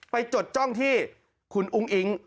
จดจ้องที่คุณอุ้งอิ๊ง